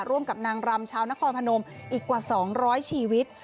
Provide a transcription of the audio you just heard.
ร่วมกับนางรำชาวนครพนมอีกกว่า๒๐๐ชีวิต